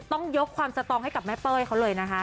ต้องยกความสตองให้กับแม่เป้ยเขาเลยนะคะ